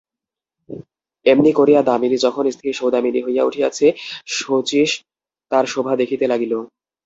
এমনি করিয়া দামিনী যখন স্থির সৌদামিনী হইয়া উঠিয়াছে শচীশ তার শোভা দেখিতে লাগিল।